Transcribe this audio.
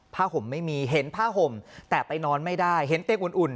ห่มไม่มีเห็นผ้าห่มแต่ไปนอนไม่ได้เห็นเตียงอุ่น